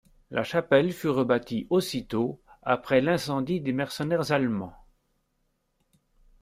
La chapelle fut rebâtie aussitôt après l’incendie des mercenaires allemands.